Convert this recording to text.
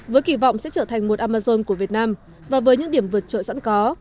với kỳ vọng sẽ trở thành một amazon của việt nam và với những điểm vượt trội sẵn có